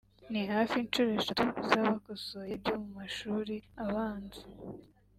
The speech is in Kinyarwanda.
ni hafi inshuro eshatu z’abakosoye ibyo mu mashuri abanza